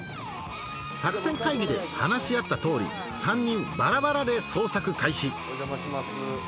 作戦会議で話し合ったとおり３人バラバラで捜索開始おじゃまします。